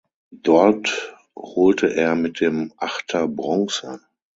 Dort holte er mit dem Achter Bronze.